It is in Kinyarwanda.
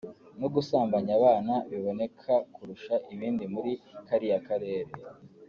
no gusambanya abana biboneka kurusha ibindi muri kariya karere